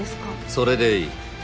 それでいい。